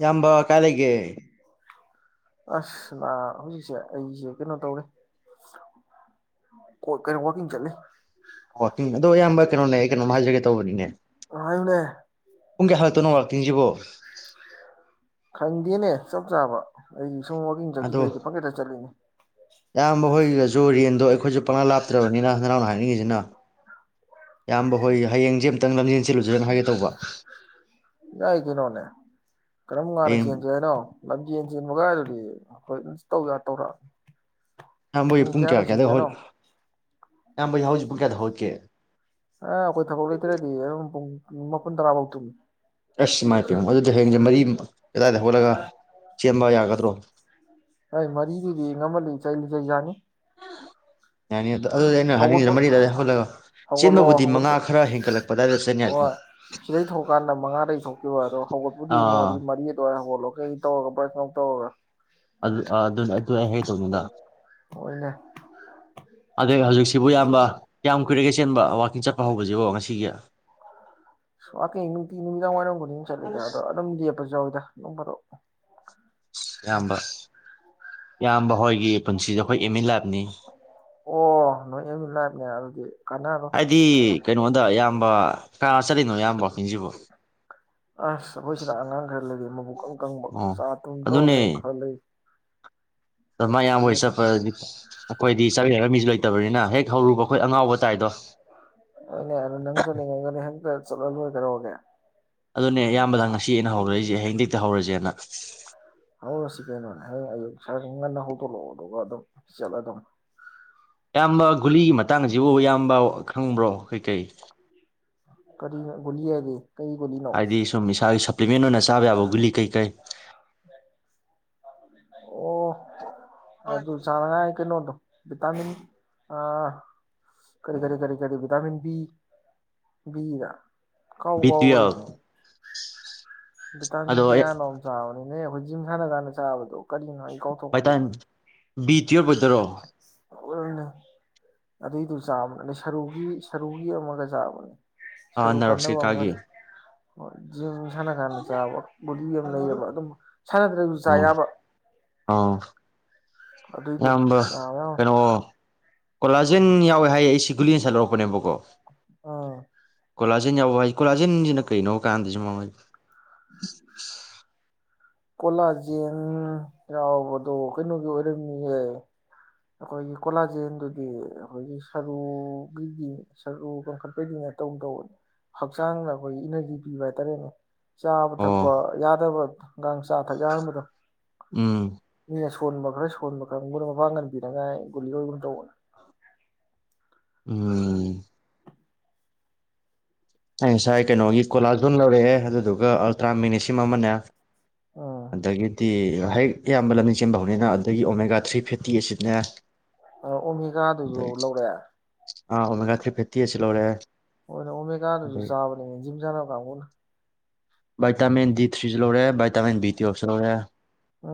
ꯌꯥꯝꯝꯕ ꯀꯂꯒꯦ ꯑꯁꯅꯥ ꯍꯧꯖꯤꯛꯁꯦ ꯑꯩꯁꯦ ꯀꯩꯅꯣ ꯇꯧꯔꯦ ꯀꯩꯅꯣ ꯋꯀꯤꯡ ꯆꯠꯂꯤ ꯑꯣ ꯑꯗꯣ ꯑꯌꯥꯝꯕ ꯀꯩꯅꯣꯅꯦ ꯀꯩꯅꯣ ꯍꯥꯏꯖꯒꯦ ꯇꯧꯕꯅꯤꯅꯦ ꯑ ꯏꯅꯦ ꯄꯨꯡ ꯀꯌꯥ ꯍꯥꯏ ꯇꯣꯅꯣꯡꯔꯥꯛ ꯇꯤꯡꯁꯤꯕꯣ ꯈꯪꯗꯦꯅꯦ ꯆꯞ ꯆꯥꯕ ꯑꯩꯒꯤ ꯁꯨꯝ ꯋꯥꯒꯤꯡ ꯆꯠꯈꯤꯗꯩꯗꯤ ꯑꯗꯣ ꯄꯪꯀꯦꯠꯇ ꯆꯠꯂꯤꯅꯦ ꯏꯌꯥꯝꯕ ꯍꯣꯏꯗꯁꯨ ꯔꯦꯟꯗꯣ ꯑꯩꯈꯣꯏꯁꯨ ꯄꯪꯪꯂꯥ ꯂꯥꯞꯇ꯭ꯔꯕꯅꯤꯅ ꯅꯅꯥꯎꯅ ꯍꯥꯏꯅꯤꯡꯉꯤꯁꯤꯅ ꯏꯌꯥꯝꯕ ꯍꯣꯏ ꯍꯌꯦꯡꯁꯦ ꯑ ꯑꯃꯨꯇꯪ ꯂꯝꯖꯦꯟ ꯆꯜꯂꯨꯁꯦꯅ ꯍꯥꯏꯒꯦ ꯇꯧꯕ ꯌꯥꯏ ꯀꯩꯅꯣꯅꯦ ꯀꯔꯝꯉꯥꯟꯅ ꯍꯌꯦꯡ ꯆꯡꯁ ꯍꯥꯏꯅꯣ ꯅꯞ ꯌꯦꯟꯁꯤꯦꯅ ꯃꯒꯥꯏꯗꯨꯗꯤ ꯍꯣꯏ ꯑꯗꯨꯝ ꯇꯧ ꯇꯧꯔꯛꯑꯅꯤ ꯏꯌꯥꯝꯕ ꯍꯣꯏ ꯄꯨꯡ ꯀꯌꯥ ꯀꯌꯥꯗ ꯍꯧꯒꯠꯂꯤꯅꯣ ꯌꯥꯝꯕꯩ ꯌꯥꯍꯧꯖꯦ ꯄꯨꯡ ꯀꯌꯥꯗ ꯍꯧꯒꯠꯀꯦ ꯑ ꯑꯩꯈꯣꯏ ꯊꯕꯛ ꯂꯩꯇꯔꯗꯤ ꯄꯨꯡ ꯃꯥꯄꯟ ꯇꯔꯥꯕꯧ ꯇꯨꯝ ꯑꯁ ꯏꯃꯥꯏ ꯄꯦꯝꯃ ꯑꯗꯨꯗꯤ ꯍꯌꯦꯡꯁꯦ ꯃꯔꯤ ꯑꯗꯥꯏꯗ ꯍꯧꯒꯠꯂꯒ ꯆꯦꯟꯕ ꯌꯥꯒꯗ꯭ꯔꯣ ꯍꯩ ꯃꯔꯤꯗꯨꯗꯤ ꯉꯟꯃꯜꯂꯤ ꯆꯩꯂꯤꯆ ꯌꯥꯅꯤ ꯌꯥꯅꯤ ꯑꯗꯨꯗ ꯑꯩꯅ ꯍꯥꯏꯅꯤꯡꯉꯤꯗ ꯍꯧꯒꯠꯄ ꯃꯔꯤ ꯑꯗꯨꯋꯥꯏꯗ ꯍꯧꯒꯠꯂꯒ ꯍꯧꯒꯠꯂꯣ ꯆꯦꯟꯕꯕꯨꯗꯤ ꯃꯉꯥ ꯍꯧꯒꯠꯄ ꯈꯔ ꯍꯦꯟꯒꯠꯂꯛꯄ ꯑꯗꯨꯋꯥꯏꯗ ꯆꯦꯟꯕ ꯌꯥꯏꯗꯅ ꯃꯉꯥꯗꯒꯤ ꯊꯣꯛꯈꯤꯕ ꯑꯗꯣ ꯍꯧꯒꯠꯄꯨꯗꯤ ꯃꯔꯤ ꯑꯥ ꯃꯔꯤ ꯑꯗꯨꯋꯥꯏ ꯍꯧꯒꯠꯂꯣ ꯀꯩ ꯇꯧꯔꯒ ꯕꯔꯁ ꯅꯨꯡ ꯇꯧꯔꯒ ꯑꯗꯨ ꯑ ꯑꯗꯨ ꯑꯗꯨ ꯍꯥꯏꯒꯦ ꯇꯧꯅꯤꯗꯥ ꯑꯣꯏꯅꯦ ꯍ ꯍꯧꯖꯤꯛꯁꯤꯕꯨ ꯏꯌꯥꯝꯕ ꯀꯌꯥꯝ ꯀꯨꯏꯔꯒꯦ ꯆꯦꯟꯕ ꯋꯥꯛꯀꯤꯡ ꯆꯠꯄ ꯍꯧꯕꯁꯤꯕꯣ ꯉꯁꯤꯒꯤ ꯋꯥꯀꯤꯡ ꯅꯨꯡꯇꯤ ꯅꯨꯃꯤꯗꯥꯡ ꯋꯥꯔꯝꯒ ꯡ ꯆꯠꯂꯤꯗ ꯑꯗꯣ ꯑꯗꯨꯝ ꯂꯦꯞꯄꯁꯨ ꯌꯥꯎꯋꯤꯗ ꯅꯣꯡ ꯐꯥꯗꯣꯛ ꯏꯌꯥꯝꯕ ꯏꯌꯥꯝꯕ ꯍꯣꯏꯒꯤ ꯄꯨꯟꯁꯤꯁꯦ ꯑꯩꯈꯣꯏ ꯑꯦꯝ ꯏꯟ ꯂꯥꯏꯐ ꯑꯣ ꯅꯣꯏ ꯑꯦꯝ ꯏꯟ ꯂꯥꯏꯐꯅꯦ ꯑꯗꯨꯗꯤ ꯀꯅꯥꯔꯣꯏ ꯍꯥꯏꯗꯤ ꯀꯩꯅꯣꯗ ꯏꯌꯥꯝꯕ ꯀꯅꯥ ꯀꯅꯥ ꯆꯠꯂꯤꯅꯣ ꯏꯌꯥꯝꯕ ꯋꯥꯜꯀꯤꯡꯁꯤꯕꯣ ꯑꯁ ꯑꯩꯈꯣꯏ ꯁꯤꯗ ꯑꯉꯥꯡ ꯈꯔ ꯂꯩꯔꯤ ꯃꯕꯨꯛ ꯏꯀꯪ ꯀꯪꯕ ꯑꯣ ꯆꯥ ꯇꯨꯝ ꯇꯧꯔ ꯂꯩꯕ ꯈꯔ ꯂꯩ ꯁꯃꯥꯏ ꯌꯥꯝ ꯍꯣꯏ ꯑꯗꯨꯒ ꯆꯠꯂꯦ ꯆꯠꯄꯗꯗꯤ ꯑꯩꯈꯣꯏꯗꯤ ꯆꯠꯃꯤꯟꯅꯅꯕ ꯃꯤꯁꯨ ꯂꯩꯇꯕꯅꯤꯅ ꯍꯦꯛ ꯍꯧꯔꯨꯕ ꯑꯩꯈꯣꯏ ꯑꯉꯥꯎꯕ ꯇꯥꯏꯗꯣ ꯔ ꯅꯪꯁꯨꯅꯤ ꯍꯪ ꯆꯠꯂꯂꯣꯏꯔꯦ ꯀꯩꯗꯧꯔꯒꯦ ꯑꯗꯨꯅꯦ ꯏꯌꯥꯝꯕꯗ ꯉꯁꯤ ꯑꯩꯅ ꯍꯧꯔꯛꯏꯁꯦ ꯍꯌꯦꯡ ꯍꯦꯛꯇ ꯍꯧꯔꯁꯦꯅ ꯍꯧꯔꯁꯤ ꯀꯩꯅꯣꯅꯦ ꯍꯌꯦꯡ ꯑꯌꯨꯛ ꯁꯥꯔ ꯁꯨꯝ ꯉꯟꯅ ꯍꯧꯗꯣꯛꯂꯛꯑꯣ ꯑꯗꯨꯒ ꯑꯗꯨꯝ ꯆꯠꯂ ꯑꯗꯨꯝ ꯏꯌꯥꯝꯕ ꯒꯨꯂꯤꯒꯤ ꯃꯇꯥꯡꯁꯤꯕꯨ ꯑꯌꯥꯝꯕ ꯈꯪꯕ꯭ꯔꯣ ꯀꯩꯀꯩ ꯀꯔꯤꯅꯣ ꯒꯨꯂꯤ ꯍꯥꯏꯗꯤ ꯀꯩ ꯒꯨꯂꯤꯅꯣ ꯍꯥꯏꯗꯤ ꯁꯨꯝ ꯏꯁꯥꯒꯤ ꯁꯄ꯭ꯂꯤꯃꯦꯟ ꯑꯣꯏꯅ ꯆꯥꯕ ꯌꯥꯕ ꯒꯨꯂꯤ ꯀꯩ ꯀꯩ ꯑꯣ ꯑꯗꯨ ꯑꯗꯨ ꯆꯥꯡꯅꯉꯥꯏ ꯀꯩꯅꯣꯗꯣ ꯚꯤꯇꯥꯃꯤꯟ ꯑ ꯀꯔꯤ ꯀꯔꯤ ꯀꯔꯤ ꯀꯔꯤ ꯚꯤꯇꯥꯃꯤꯟ ꯕꯤ ꯕꯤꯗ ꯀꯥꯎꯕꯨ ꯕꯤ ꯇꯨꯌꯦꯜꯞ ꯀꯥꯎꯒꯔꯦꯅꯦ ꯕꯤꯇꯥꯃꯦꯟ ꯑꯗꯣ ꯑꯩ ꯀꯌꯥꯅꯣꯝꯃ ꯆꯥꯕꯅꯤ ꯅ ꯍꯣꯏ ꯖꯤꯝ ꯁꯥꯟꯅ ꯀꯥꯟ ꯆꯥꯕꯗꯣ ꯀꯔꯤ ꯅꯣ ꯑꯩ ꯕꯥꯏꯇꯥꯃꯤꯟ ꯕꯤ ꯇꯨꯌꯦꯜꯞ ꯑꯣꯏꯗꯣꯏꯔꯣ ꯑꯗꯨꯏꯗꯨ ꯆꯥꯕ ꯑꯗꯩ ꯁꯔꯨꯒꯤ ꯁꯔꯨꯒꯤ ꯑꯃꯒ ꯆꯥꯕꯅꯦ ꯑꯥ ꯅꯅꯥꯔꯁ ꯀꯦꯀꯥꯒꯤ ꯑꯣꯖ ꯁꯥꯟꯅ ꯀꯥꯟꯅ ꯆꯥꯕ ꯕꯣꯗꯤ ꯑꯃ ꯂꯩꯌꯦꯕ ꯑꯗꯨꯝ ꯁꯥꯟꯅꯗ꯭ꯔꯒꯁꯨ ꯆꯕ ꯑꯥꯎ ꯑꯗꯨꯏꯗꯨꯣ ꯑ ꯀꯣꯂꯥꯖꯦꯟ ꯌꯥꯎꯋꯦ ꯍꯥꯏꯌꯦ ꯑꯩ ꯁꯤꯒꯨꯂꯤ ꯌꯦ ꯁꯠꯂꯛꯄꯅꯦꯕꯀꯣ ꯑꯥ ꯀꯣꯂꯥꯖꯦꯟ ꯌꯥꯎꯕ ꯍꯥꯏ ꯀꯣꯂꯥꯖꯦꯟꯁꯤ ꯀꯩꯅꯣ ꯀꯥꯟꯗꯁꯨ ꯃꯉ [unintelligible] ꯀꯣꯂꯥꯖꯦꯡ ꯌꯥꯎꯕꯗꯣ ꯀꯩꯅꯣꯒꯤ ꯑꯣꯏꯔꯝꯃꯤꯍꯦ ꯑꯩꯈꯣꯏꯒꯤ ꯀꯣꯂꯥꯖꯦꯟꯗꯨꯗꯤ ꯑꯩꯈꯣꯏꯒꯤ ꯁꯔꯨꯒꯤꯗꯤ ꯁꯔꯨ ꯀꯪꯈꯠꯄꯒꯤꯅꯦ ꯇꯧ ꯇꯧ ꯍꯛꯆꯥꯡꯗ ꯑꯩꯈꯣꯏꯒꯤ ꯏꯅꯔꯖꯤ ꯄꯤꯕ ꯍꯥꯏꯇꯥꯔꯦꯅꯦ ꯆꯥꯕ ꯑꯣ ꯊꯛꯄ ꯌꯥꯗꯕ ꯑꯒꯥꯥꯡ ꯆꯥ ꯊꯛ ꯌꯥꯔꯝꯕꯗ ꯎꯝ ꯃꯤꯁꯨ ꯁꯣꯟꯕ ꯈꯔ ꯁꯣꯟꯕ ꯈꯔ ꯃꯣꯏꯅ ꯃꯄꯥꯡꯒꯟꯕꯤꯌꯨ ꯉꯥꯏ ꯨꯜꯂꯤꯒꯒ ꯇ ꯎꯝ ꯑꯩ ꯉꯁꯥꯏ ꯀꯩꯅꯣꯒꯤ ꯀꯣꯂꯥꯖꯣꯟ ꯂꯧꯔꯛꯑꯦ ꯑꯗꯨꯗꯨꯒ ꯑꯜꯇ꯭ꯔꯥ ꯃꯅꯦꯁꯤꯝ ꯑꯃꯅꯦ ꯎꯝ ꯑꯗꯒꯤꯗꯤ ꯍꯦꯛ ꯑꯌꯥꯝꯕ ꯂꯝꯕꯤ ꯆꯦꯟꯕ ꯍꯧꯅꯤꯅ ꯑꯗꯨꯗꯒꯤ ꯑꯣꯃꯦꯒꯥ ꯊ꯭ꯔꯤ ꯐꯤꯐꯇꯤꯁꯤꯅꯦ ꯑ ꯑꯣꯃꯦꯒꯥꯥꯗꯨꯁꯨ ꯂꯧꯔꯑꯦ ꯑ ꯑꯣ ꯃꯃꯦꯒꯥ ꯊ꯭ꯔꯤ ꯐꯤꯞꯇꯤ ꯑꯁꯤ ꯂꯣꯔꯦ ꯍ ꯑꯣ ꯃꯒꯥꯥꯗꯁꯨ ꯆꯥꯕꯅꯦ ꯖꯤꯖꯥꯅ ꯀꯥ ꯀꯅ ꯚꯇꯝꯤꯟ ꯗꯤ ꯊ꯭ꯔꯤꯁꯤ ꯂꯣꯏꯔꯦ ꯚꯇꯝꯤꯟ ꯕꯤ ꯑ ꯑꯁꯔꯅꯦ ꯑ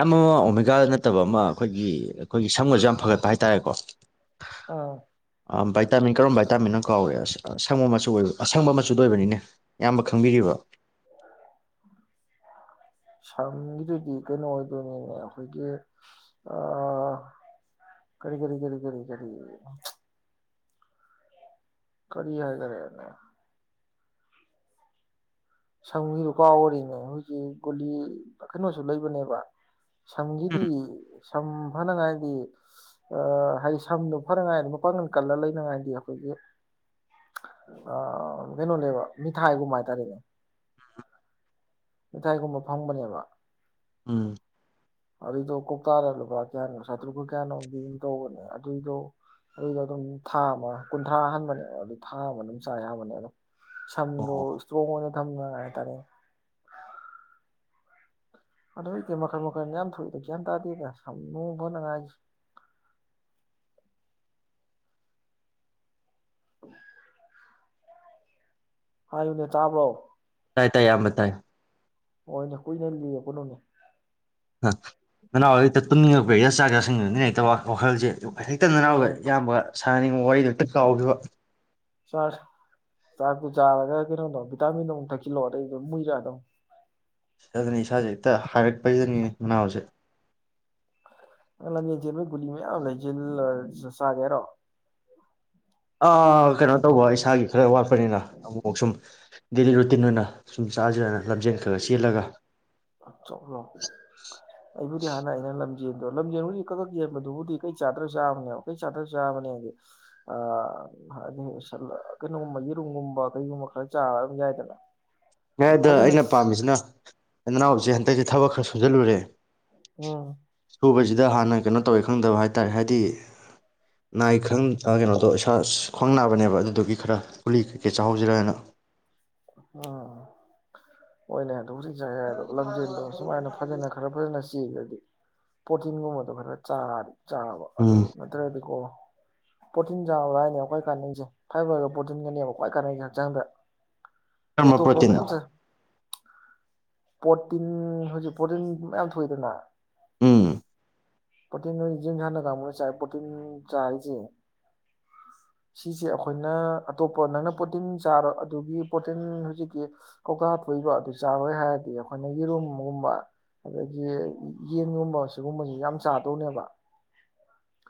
ꯌꯥꯝ ꯑꯃ ꯑꯣꯃꯦꯒꯥ ꯅꯠꯇꯕ ꯑꯃ ꯑꯩꯈꯣꯏꯒꯤ ꯑꯩꯈꯣꯏꯒꯤ ꯁꯝꯒꯁꯨ ꯌꯥꯝ ꯐꯒꯠꯄ ꯍꯥꯏꯇꯥꯥꯔꯦꯀꯣ ꯑꯥ ꯚꯥꯏꯇꯥꯃꯤꯟ ꯀꯔꯝꯕ ꯚꯥꯏꯇꯥꯃꯤꯟꯅ ꯀꯥꯎꯔꯦ ꯑꯁ ꯑꯁꯪꯕ ꯃꯆꯨ ꯑꯣꯏ ꯑꯁꯪꯕ ꯃꯆꯨꯗꯣ ꯑꯣꯏꯕꯅꯤꯅꯦ ꯑꯌꯥꯝꯕ ꯈꯪꯕꯤꯔꯤꯕ ꯁꯝꯒꯤꯗꯨꯗꯤ ꯀꯩꯅꯣ ꯑꯣꯏꯗꯣꯏꯅꯤꯅꯦ ꯑꯩꯈꯣꯏꯒꯤ ꯑ ꯀꯔꯤ ꯀꯔꯤ ꯀꯔꯤ ꯀꯔꯤ ꯀꯔꯤ ꯀꯔꯤ ꯍꯥꯏ ꯈꯔꯦꯅꯦ ꯁꯝꯒꯤꯗꯨ ꯀꯥꯎ ꯑꯣꯏꯔꯤꯅꯦ ꯍꯧꯖꯤꯣꯏꯛ ꯒꯨꯂꯤ ꯀꯩꯅꯣꯁꯨ ꯂꯩꯕꯅꯦꯕ ꯁꯝꯒꯤꯗꯤ ꯎꯝ ꯁꯝ ꯐꯅꯉꯥꯏꯗꯤ ꯑ ꯍꯥꯏꯗꯤ ꯁꯝꯗꯣ ꯐꯅꯉꯥꯏꯗꯤ ꯃꯄꯥꯡꯒꯜ ꯀꯜꯂ ꯂꯩꯅꯉꯥꯏꯗꯤ ꯑꯩꯈꯣꯏꯒꯤ ꯑ ꯀꯩꯅꯣꯅꯦꯕ ꯃꯤꯊꯥꯏꯒꯨꯝꯕ ꯍꯥꯏꯇꯥꯔꯦꯅꯦ ꯃꯊꯥꯏꯒꯨꯝꯕ ꯐꯪꯕꯅꯦꯕ ꯎꯝ ꯑꯗꯨꯏꯗꯣ ꯀꯧꯇꯥꯗ ꯂꯨꯄꯥ ꯀꯌꯥꯅꯣ ꯆꯥꯇ꯭ꯔꯨꯛ ꯀꯨ ꯀꯌꯥꯅꯣꯒꯤ ꯑꯗꯨꯝ ꯇꯧꯕꯅꯦ ꯑꯗꯨꯏꯗꯣ ꯑꯗꯨꯏꯗꯣ ꯑꯗꯨꯝ ꯊꯥ ꯑꯃ ꯀꯨꯟꯊ꯭ꯔꯥ ꯑꯍꯟꯕꯅꯦ ꯑꯗꯨ ꯊꯥ ꯑꯃ ꯑꯗꯨꯝ ꯆꯥ ꯌꯥꯝꯕꯅꯦ ꯑꯗꯨꯝ ꯁꯗꯣ ꯑꯣ ꯏꯁꯇ꯭ꯔꯣꯡꯅ ꯀꯝꯒꯥꯏꯇꯥꯔꯦ ꯑꯗꯨ ꯏꯗꯤ ꯃꯈꯟ ꯃꯈꯟ ꯌꯥꯝ ꯊꯣꯛꯏꯅ ꯒ꯭ꯌꯥꯟ ꯇꯥꯗꯦꯗ ꯁꯝ ꯅꯨꯡ ꯐꯅꯉꯥꯏꯁꯤ ꯍꯥꯏꯌꯨꯅꯦ ꯆꯥꯕ꯭ꯔꯣ ꯇꯥꯏ ꯇꯥꯏ ꯑꯌꯥꯝꯕ ꯇꯥꯏ ꯑꯣ ꯏꯁꯨ ꯀꯅꯦꯌꯦ ꯀꯅꯣꯅꯤ ꯅꯅꯥꯎꯖꯦ ꯍꯦꯛꯇ ꯇꯨꯝꯅꯤꯡꯉꯛꯄ ꯆꯥꯛ ꯆꯥꯁꯤꯁꯤꯡꯅꯤꯅ ꯍꯦꯛꯇ ꯋꯥꯈꯜꯁꯦ ꯍꯦꯛꯇ ꯅꯥꯎꯒ ꯎꯝ ꯏꯌꯥꯝꯕ ꯁꯥꯅꯅꯤꯡꯕ ꯋꯥꯔꯤꯗꯨ ꯍꯦꯛꯇ ꯀꯥꯎꯈꯤꯕ ꯆꯥꯛ ꯆꯥꯛꯇꯨ ꯆꯥꯔꯒ ꯀꯩꯅꯣꯗꯣ ꯚꯤꯇꯥꯃꯤꯟꯗ ꯑꯃꯨꯛ ꯊꯛꯆꯤꯜꯂꯣ ꯑꯗꯩꯗꯨꯝ ꯑꯨꯏꯔꯛꯑꯗꯨꯅꯤ ꯑꯗꯨꯅꯦ ꯏꯁꯥꯁꯦ ꯍꯦꯛꯇ ꯍꯥꯏꯔꯠꯄꯖꯤꯗꯅꯤꯅꯦ ꯃꯅꯥꯎꯁꯦ ꯑꯩ ꯂꯝꯖꯦꯟ ꯆꯣꯟꯕꯩ ꯒꯨꯂꯤ ꯃꯌꯥꯝ ꯂꯩꯖꯤꯜꯂꯩ ꯆꯥꯒꯦꯔꯣ ꯑꯥ ꯀꯩꯅꯣ ꯇꯧꯕ ꯏꯁꯥꯒꯤ ꯈꯔ ꯋꯥꯠꯄꯅꯤꯅ ꯑꯃꯨꯛꯁꯨꯝ ꯗꯦꯂꯤ ꯔꯨꯇꯤꯟ ꯑꯣꯏꯅ ꯁꯨꯝ ꯆꯥꯖꯤꯔꯅ ꯂꯝꯖꯦꯟ ꯈꯔ ꯈ ꯆꯦꯜꯂꯒ ꯑꯩꯕꯨꯗꯤ ꯍꯥꯟꯅ ꯑꯩꯅ ꯂꯝꯖꯦꯜꯗꯣ ꯂꯝꯖꯦꯜꯕꯨꯗꯤ ꯀꯛ ꯀꯛ ꯌꯦꯟꯕꯗꯨꯕꯨꯗꯤ ꯀꯩ ꯆꯥꯗ꯭ꯔꯖꯨ ꯌꯥꯕꯅꯦꯕ ꯀꯩ ꯆꯥꯗ꯭ꯔꯖꯨ ꯌꯥꯕꯅꯦ ꯍꯥꯏꯗꯤ ꯀꯩꯅꯣꯒꯨꯝꯕ ꯌꯦꯔꯨꯝꯒꯨꯝꯕ ꯀꯩꯒꯨꯝꯕ ꯈꯔ ꯆꯥꯔ ꯌꯥꯏꯗꯅ ꯑꯗꯣ ꯑꯗ ꯐꯖꯅ ꯑꯩꯅ ꯄꯥꯝꯃꯤꯁꯤꯅ ꯅꯅꯥꯎꯁꯦ ꯍꯟꯗꯛꯁꯦ ꯊꯛ ꯈꯔ ꯁꯣꯟꯖꯜꯂꯨꯔꯦ ꯎꯝ ꯁꯨꯕꯁꯤꯗ ꯍꯥꯟꯅ ꯀꯩꯅꯣ ꯇꯧꯋꯦ ꯈꯪꯗꯕ ꯍꯥꯏꯇꯥꯔꯦ ꯍꯥꯏꯗꯤ ꯅꯥꯏ ꯈꯪ ꯀꯩꯅꯣꯗꯣ ꯏꯁꯥ ꯈ꯭ꯋꯥꯡ ꯅꯥꯕꯅꯦꯕ ꯑꯗꯨꯗꯨꯒꯤ ꯈꯔ ꯒꯨꯂꯤ ꯀꯩꯀꯩ ꯆꯥꯍꯧꯁꯤꯔ ꯍꯥꯏꯅ ꯎꯝ ꯍꯣꯏꯅꯦ ꯍꯥꯏ ꯑꯗꯨꯕꯨꯗꯤ ꯌꯥꯏꯌꯦ ꯑꯗꯣ ꯂꯝꯖꯦꯟꯗꯣ ꯁꯨꯃꯥꯏꯅ ꯐꯖꯅ ꯈꯔ ꯐꯖꯅ ꯆꯦꯜꯂꯗꯤ ꯄ꯭ꯔꯣꯇꯤꯟꯒꯨꯝꯕꯗꯣ ꯈꯔ ꯆꯥꯔꯗꯤ ꯆꯥꯕ ꯑꯗꯨ ꯎꯝ ꯅꯠꯇ꯭ꯔꯗꯤꯀꯣ ꯄ꯭ꯔꯣꯇꯤꯟ ꯆꯥꯎꯕ꯭ꯔ ꯍꯥꯏꯔ ꯀ꯭ꯋꯥꯏ ꯀꯥꯟꯅꯁꯦ ꯐꯥꯏꯕꯔꯗꯣ ꯄ꯭ꯔꯣꯇꯤꯟꯒꯅꯦꯕ ꯈ꯭ꯋꯥꯏ ꯀꯥꯟꯅꯩꯁꯦ ꯍꯛꯆꯥꯡꯗ ꯀꯔꯝꯕ ꯑꯇꯣꯞꯄ ꯄ꯭ꯔꯣꯇꯤꯟ ꯃꯌꯥꯝ ꯆꯥ ꯄ꯭ꯔꯇꯤꯟ ꯍꯧꯖꯤꯛ ꯄ꯭ꯔꯣꯔꯇꯤꯟ ꯃꯌꯥꯝ ꯊꯣꯛꯏꯗꯅ ꯎꯝ ꯄ꯭ꯔꯣꯇꯤꯟ ꯖꯤꯝ ꯁꯥꯟꯅ ꯀꯥꯡꯕꯨꯅ ꯆꯥꯏ ꯄ꯭ꯔꯣꯇꯤꯟ ꯆꯥꯔꯤꯁꯦ ꯁꯤꯁꯦ ꯑꯩꯈꯣꯏꯅ ꯑꯇꯣꯞꯄ ꯅꯪꯅ ꯄ꯭ꯔꯣꯇꯤꯟ ꯆꯥꯔ ꯑꯗꯨꯒꯤ ꯄꯣꯇꯤꯟ ꯍꯧꯖꯤꯛꯀꯤ ꯀꯧꯇꯥꯥ ꯊꯣꯛꯏꯕ ꯑꯗꯨ ꯆꯥꯔꯣꯏ ꯍꯥꯏꯔꯗꯤ ꯑꯩꯈꯣꯏꯅ ꯌꯦꯔꯨꯝꯒꯨꯝꯕ ꯑꯗꯒꯤ ꯌꯦꯟꯒꯨꯝꯕ ꯁꯤꯒꯨꯝꯕꯁꯤ ꯌꯥꯝ ꯆꯥꯗꯧꯅꯦꯕ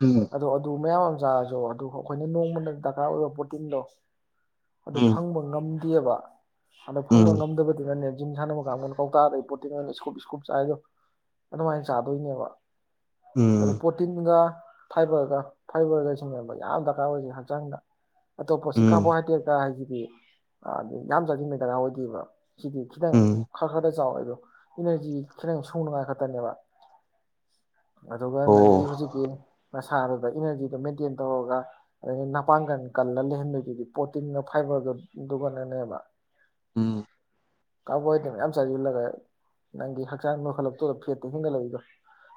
ꯎꯝ ꯑꯣ ꯑꯗꯨ ꯃꯌꯥꯝ ꯑꯃ ꯆꯥꯔꯖꯨ ꯑꯗꯨ ꯑꯩꯈꯣꯏꯅ ꯅꯣꯡꯃꯅ ꯗꯔꯀꯥꯔ ꯑꯣꯏꯕ ꯄ꯭ꯔꯣꯇꯤꯟꯗꯣ ꯑꯗꯨ ꯎꯝ ꯐꯪꯕ ꯉꯝꯗꯦꯕ ꯑꯗꯣ ꯐꯪꯕ ꯉꯝꯗꯕꯗꯨꯅꯅꯦ ꯖꯤꯝ ꯁꯥꯟꯅꯕ ꯅ ꯀꯧꯇꯥꯗꯩ ꯄꯣꯠꯇꯤ ꯅꯣꯏꯅ ꯏꯁꯀꯨꯞ ꯏꯁꯀꯨꯞ ꯆꯥꯏꯗꯣ ꯑꯗꯨꯃꯥꯏꯅ ꯆꯥꯗꯣꯏꯅꯦꯕ ꯑꯗꯣ ꯎꯝ ꯄ꯭ꯔꯣꯇꯤꯟꯒ ꯐꯥꯏꯕꯔꯒ ꯐꯥꯏꯕꯔꯒ ꯁꯤꯟꯅꯦꯕ ꯌꯥꯝ ꯗꯔꯀꯥꯔ ꯑꯣꯏꯁꯦ ꯍꯛꯆꯥꯡꯗ ꯑꯇꯣꯝꯄꯗꯤ ꯎꯝ ꯎꯝ ꯀꯥꯔꯕꯣꯍꯥꯏꯗ꯭ꯔꯦꯠ ꯀꯍꯥꯏꯗꯤ ꯑꯦ ꯌꯥꯝ ꯆꯥꯁꯤꯟꯕ ꯗꯀꯥ ꯑꯣꯏꯗꯦꯕ ꯁꯤꯗꯤ ꯈꯤꯇꯪ ꯎꯝ ꯈꯔ ꯈꯔꯗ ꯆꯥꯎꯋꯦ ꯑꯗꯣ ꯏꯅꯔꯖꯤ ꯈꯤꯇꯪ ꯁꯨꯅꯉꯥꯏ ꯈꯛꯇꯅꯦꯕ ꯑꯗꯨꯒ ꯑꯣ ꯅꯪꯒꯤ ꯍꯧꯖꯤꯛꯀꯤ ꯅꯁꯥꯗꯨꯗ ꯏꯅꯔꯖꯤꯗꯣ ꯃꯦꯟꯇꯦꯟ ꯇꯧꯔꯒ ꯑꯗꯗꯒꯤ ꯃꯄꯥꯡꯒꯟ ꯀꯜꯂ ꯂꯩꯍꯟꯕꯗꯨꯗꯤ ꯄ꯭ꯔꯣꯇꯤꯟꯒ ꯐꯥꯏꯕꯔꯗꯣ ꯑꯗꯨꯒ ꯅꯪꯅꯦꯕ ꯎꯝ ꯀꯥꯔꯕꯣꯍꯥꯏꯗ꯭ꯔꯦꯠ ꯃꯌꯥꯝ ꯆꯥꯁꯤꯜꯂꯒ ꯅꯪꯒꯤ ꯍꯛꯆꯥꯡ ꯅꯣꯛꯈꯠꯂꯛꯇꯣꯏꯗ ꯐꯦꯠꯇꯣ ꯍꯦꯟꯒꯠꯂꯛꯏꯗꯣ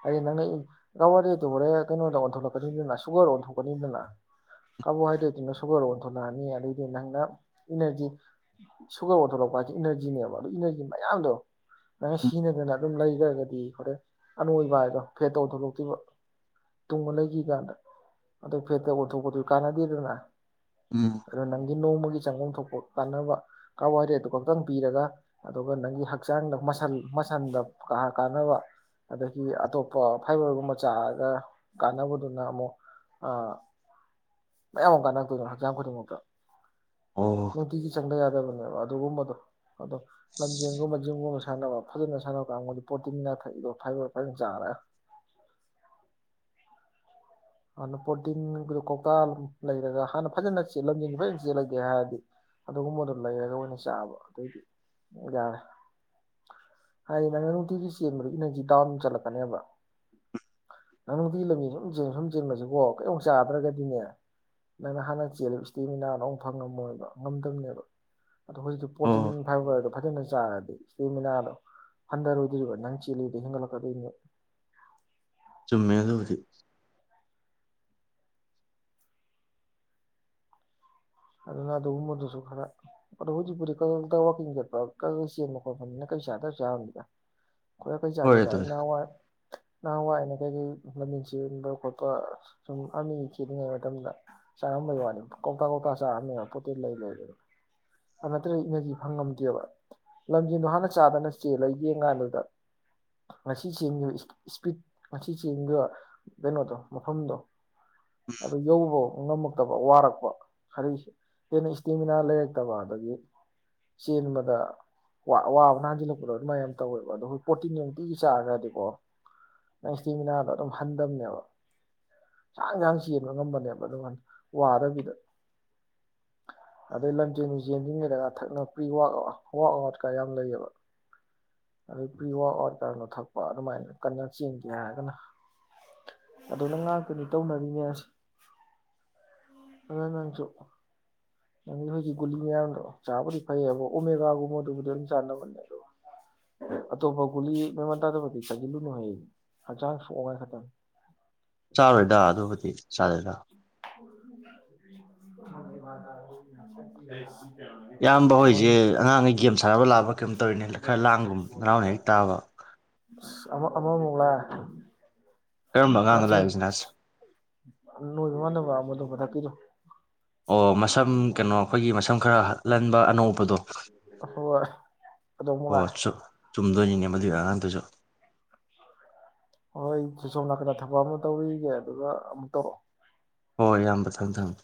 ꯑꯗꯤ ꯅꯪꯅ ꯀꯥꯕꯥꯣꯍꯏꯗ꯭ꯔꯦꯠꯇꯨ ꯍꯣꯔꯦꯟ ꯀꯩꯅꯣꯗ ꯑꯣꯟꯊꯣꯛꯂꯛꯀꯅꯤꯗꯨꯅ ꯁꯨꯒꯔ ꯑꯣꯟꯊꯣꯛꯀꯅꯤꯗꯅ ꯀꯥꯔꯕꯣꯍꯥꯏꯗ꯭ꯔꯦꯠꯇꯨꯅ ꯁꯨꯒꯔ ꯑꯣꯟꯊꯣꯛꯂꯛꯑꯅꯤ ꯑꯗꯩꯗꯤ ꯅꯪꯅ ꯏꯅꯔꯖꯤ ꯁꯨꯒꯔ ꯑꯣꯟꯊꯣꯛꯂꯛꯄ ꯍꯥꯏꯁꯦ ꯏꯅꯔꯖꯤꯅꯦꯕ ꯑꯗꯨ ꯏꯅꯔꯖꯤ ꯃꯌꯥꯝꯗꯣ ꯅꯪ ꯎꯝ ꯁꯤꯖꯤꯟꯅꯗꯅ ꯑꯗꯨꯝ ꯂꯩꯈ꯭ꯔꯒꯗꯤ ꯍꯣꯔꯦꯟ ꯑꯅꯣꯏꯕ ꯍꯥꯏꯗꯣ ꯐꯦꯠꯇ ꯑꯣꯊꯣꯛꯂꯛꯇꯕ ꯇꯨꯡꯕ ꯂꯩꯈꯤ ꯀꯥꯟꯗ ꯑꯗꯨ ꯐꯦꯠꯇ ꯑꯣꯟꯊꯣꯛꯄꯗꯨ ꯀꯥꯟꯅꯗꯦꯗꯅ ꯎꯝ ꯈꯔ ꯅꯪꯗꯤ ꯅꯣꯡꯃꯒꯤ ꯆꯪꯐꯝ ꯊꯣꯛꯄ ꯀꯥꯟꯅꯕ ꯀꯥꯔꯕꯥ ꯍꯔꯦꯠꯇꯨ ꯈꯛꯇꯪ ꯄꯤꯔꯒ ꯑꯗꯨꯒ ꯅꯪꯒꯤ ꯍꯛꯆꯥꯡꯗ ꯃꯁꯟꯗ ꯀ ꯀꯥꯟꯅꯕ ꯑꯗꯒꯤ ꯑꯇꯣꯞꯄ ꯐꯥꯏꯕꯔꯒꯨꯝꯕ ꯆꯥꯔꯒ ꯀꯥꯟꯅꯕꯗꯨꯅ ꯑꯃꯨꯛ ꯃꯌꯥꯝ ꯑꯃ ꯀꯥꯟꯔꯛꯇꯣꯏꯅꯣ ꯍꯛꯆꯥꯡ ꯈꯨꯗꯤꯡꯃꯛꯇ ꯑꯣ ꯅꯨꯡꯇꯤꯒꯤ ꯆꯥꯪꯗ ꯌꯥꯗꯕꯅꯦꯕ ꯑꯗꯨꯒꯨꯝꯕꯗꯣ ꯑꯗꯣ ꯂꯝꯖꯦꯟꯒꯨꯝꯕ ꯖꯤꯝꯒꯨꯝꯕ ꯁꯥꯟꯅꯕ ꯐꯖꯅ ꯁꯥꯟꯅꯕ ꯀꯥꯡꯕꯨꯗꯤ ꯄ꯭ꯔꯣꯇꯤꯟꯅꯥꯊꯛꯗꯣ ꯐꯥꯏꯕꯔ ꯐꯖꯅ ꯆꯥꯔꯒ ꯑꯗꯨꯅ ꯄ꯭ꯔꯣꯔꯇꯤꯟꯒꯤꯗꯣ ꯀꯧꯇꯥ ꯂꯩꯔꯒ ꯍꯥꯟꯅ ꯐꯖꯅꯖꯦꯟ ꯐꯖꯅ [inaudible] [unintelligible] ꯌꯥ ꯍꯥꯏꯔꯗꯤ ꯑꯗꯨꯒꯨꯝꯕꯗꯣ ꯂꯩꯔꯒ ꯑꯣꯏꯅ ꯆꯥꯕ ꯑꯗꯨꯏꯗꯤ ꯌꯥꯔꯦ ꯍꯥꯏꯗꯤ ꯅꯪꯅ ꯅꯨꯡꯇꯤꯒꯤ ꯆꯦꯟꯕꯗꯨ ꯏꯅꯔꯖꯤ ꯗꯥꯎꯟ ꯆꯠꯂꯛꯀꯅꯦꯕ ꯅꯪ ꯅꯨꯡꯇꯤꯒꯤ ꯂꯝꯕꯤ ꯁꯨꯝꯦꯟ ꯁꯨꯝ ꯆꯦꯟꯕꯕꯁꯤꯀꯣ ꯀꯩꯝꯇ ꯆꯥꯗ꯭ꯔꯒꯗꯤꯅꯦ ꯅꯪꯅ ꯍꯥꯟꯅ ꯆꯦꯜꯂꯤꯕ ꯏꯁꯇꯦꯃꯤꯅꯥꯅ ꯊꯪ ꯉꯝꯃꯣꯏꯕ ꯉꯝꯗꯕꯅꯦꯕ ꯑꯗꯣ ꯍꯧꯖꯤꯛꯇꯤ ꯑꯣ ꯄ꯭ꯔꯣꯇꯤꯟ ꯐꯥꯏꯕꯔꯗꯣ ꯐꯖꯅ ꯆꯥꯔꯗꯤ ꯏꯁꯇꯤꯃꯤꯅꯗꯣ ꯍꯟꯗꯔꯣꯏꯗꯔ꯭ꯤꯕ ꯅꯪ ꯆꯦꯜꯂꯤꯒꯩ ꯍꯦꯟꯒꯠꯂꯛꯀꯗꯣꯏꯅꯦ ꯆꯨꯝꯃꯦꯗ ꯑꯗꯨꯕꯨꯗꯤ ꯑꯗꯨꯅ ꯑꯗꯨꯒꯨꯝꯕꯗꯨꯁꯨ ꯈꯔ ꯑꯗꯣ ꯍꯧꯖꯤꯛꯄꯨꯗꯤ ꯋꯥꯀꯤꯡ ꯆꯠꯄ ꯆꯦꯟꯕ ꯈꯣꯠꯄꯅꯤꯅ ꯀꯩ ꯆꯥꯗꯔꯁꯨ ꯆꯥꯔꯝꯅꯤꯗ [unintelligible] ꯈꯔ ꯀꯩ ꯍꯣꯏ ꯆꯥꯗꯦꯗ ꯑꯗꯨꯗꯤ ꯑꯩꯅꯋꯥ [unintelligible] ꯅꯍꯥꯟꯋꯥꯏꯩꯅ ꯀꯩꯀꯩ ꯂꯝꯕꯤꯟ ꯆꯦꯟꯟꯕ ꯈꯣꯠꯄ ꯁꯨꯝ ꯑꯅꯤ ꯆꯦꯜꯂꯤꯉꯩ ꯃꯇꯝꯗ ꯆꯥꯔꯝꯕꯩ ꯋꯥꯅꯤ ꯀꯧꯇꯥꯛ ꯀꯧꯇꯥꯛ ꯆꯥꯅꯦꯕ ꯄꯣꯠꯇꯦꯜ ꯂꯩ ꯂꯩꯗꯅ ꯑꯗꯨ ꯅꯠꯇ꯭ꯔꯒ ꯏꯅꯔꯖꯤ ꯐꯪꯉꯝꯗꯦꯕ ꯂꯝꯖꯦꯟꯗꯣ ꯍꯥꯟꯅ ꯆꯥꯗꯅ ꯆꯦꯜꯂ ꯌꯦꯡ ꯀꯥꯟꯗꯨꯗ ꯉꯁꯤ ꯆꯦꯟꯈꯤꯕ ꯏꯁꯄꯤꯠ ꯉꯁꯤ ꯆꯦꯟꯈꯤꯕ ꯀꯩꯅꯣꯗꯣ ꯃꯐꯝꯗꯣ ꯑꯗꯨꯗ ꯌꯧꯕꯕꯧ ꯉꯝꯃꯛꯇꯕ ꯋꯥꯔꯛꯄ ꯈꯔꯤ ꯍꯦꯟꯅ ꯏꯁꯇꯦꯃꯤꯅꯥ ꯂꯩꯔꯛꯇꯕ ꯑꯗꯒꯤ ꯆꯦꯟꯕꯗ ꯋꯥꯕ ꯅꯥꯟꯁꯤꯜꯂꯛꯄꯗꯣ ꯑꯗꯨꯃꯥꯏ ꯌꯥꯝ ꯇꯧꯋꯦꯕ ꯑꯗꯣ ꯄꯣꯔꯇꯤꯟ ꯅꯨꯡꯇꯤꯒꯤ ꯆꯥꯗ ꯌꯥꯗꯦꯀꯣ ꯅꯪ ꯏꯁꯇꯦꯃꯤꯅꯥꯗꯣ ꯑꯗꯨꯝ ꯍꯟꯗꯕꯅꯦꯕ ꯆꯥꯡ ꯌꯥꯥꯡ ꯆꯦꯟꯕ ꯉꯝꯕꯅꯦꯕ ꯑꯗꯨꯝ ꯋꯥꯗꯕꯤꯗ ꯑꯗꯩ ꯂꯝꯖꯦꯟꯗꯨ ꯆꯦꯟꯁꯤꯟꯒꯦꯗꯒ ꯊꯛꯅꯕ ꯄ꯭ꯔꯤꯋ ꯑ ꯋꯔꯥꯛ ꯑꯥꯎꯠ ꯀ ꯌꯥꯝ ꯂꯩꯌꯦꯕ ꯑꯗꯩ ꯄ꯭ꯔꯤ ꯋꯥꯋꯔꯥꯛ ꯑꯥꯎꯠ ꯀꯅꯣ ꯊꯛꯄ ꯑꯗꯨꯃꯥꯏꯅ ꯀꯟꯅ ꯆꯦꯟꯒꯦ ꯍꯥꯏꯔꯒꯅ ꯑꯗꯨ ꯅꯪ ꯉꯥꯛꯇꯅꯤ ꯇꯧꯅꯔꯤꯅꯦ ꯑꯁ ꯑꯗꯨ ꯅꯪꯁꯨ ꯅꯪꯒꯤ ꯍꯈꯣꯏꯒꯤ ꯒꯨꯂꯤ ꯃꯌꯥꯝꯗꯣ ꯆꯥꯕꯨꯗꯤ ꯐꯩꯕ ꯑꯣꯃꯦꯒꯥꯒꯨꯝꯕꯗꯨꯕꯨꯗꯤ ꯑꯗꯨꯝ ꯆꯥꯅꯕꯅꯦ ꯑꯗꯣ ꯑꯇꯣꯞꯄ ꯒꯨꯂꯤ ꯃꯃꯥꯟ ꯇꯥꯗꯕꯗꯤ ꯆꯖꯤꯜꯂꯨꯅꯨꯍꯦ ꯍꯌꯦꯡ ꯍꯛꯆꯥꯡ ꯁꯣꯛꯉꯥꯏ ꯈꯛꯇꯪ ꯆꯥꯔꯣꯏꯗ ꯑꯗꯨꯕꯨꯗꯤ ꯆꯥꯗꯦꯗ [inaudible] ꯏꯌꯥꯝꯕ ꯍꯣꯏꯁꯦ ꯍꯣꯏꯅꯦ ꯑꯉꯥꯡꯈꯩ ꯒꯦꯝ ꯁꯥꯟꯅꯕ ꯂꯥꯛꯕ ꯀꯩꯝ ꯇꯧꯔꯤꯅꯦ ꯈꯔ ꯂꯥꯡꯒꯨꯝꯕ ꯍꯔꯥꯎꯅ ꯇꯥꯕ ꯑꯃ ꯑꯃꯃꯨꯛ ꯂꯥꯛꯑꯦ ꯀꯔꯝꯕ ꯑꯉꯥꯡꯅꯣ ꯂꯥꯛꯏꯖꯤꯅ ꯑꯁ ꯅꯣꯏ ꯋꯥꯗ ꯃꯥ ꯃꯗꯨ ꯐꯊ ꯀꯤꯗꯣ [inaudible] ꯑꯣ ꯃꯁꯝ ꯀꯩꯅꯣ ꯑꯩꯈꯣꯏꯒꯤ ꯃꯁꯝ ꯈꯔ ꯂꯟꯕ ꯑꯅꯣꯛ ꯎꯞꯄꯗꯣ ꯍꯣꯏ ꯑꯗꯨ ꯃꯨꯛ ꯑꯣ ꯂꯥꯛꯑꯦ ꯆꯨꯝꯗꯣꯏꯅꯤꯅꯦ ꯃꯗꯨꯏ ꯑꯉꯥꯡꯗꯨꯁꯨ ꯍꯣꯏ ꯖꯨ ꯁꯣꯝ ꯅꯥꯀꯟꯗ ꯊꯕꯛ ꯑꯃ ꯇꯧꯔꯨꯒꯤꯒꯦ ꯑꯗꯨꯒ ꯑꯃꯨꯛ ꯇꯧꯔꯛꯑꯣ ꯍꯣꯏ ꯏꯌꯥꯝꯕ ꯊꯝ ꯊꯝꯃꯦ